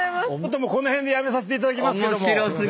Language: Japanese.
この辺でやめさせていただきますけども。